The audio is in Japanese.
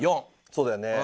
そうだよね。